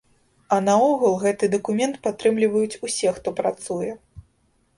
А наогул гэты дакумент падтрымліваюць усе, хто працуе.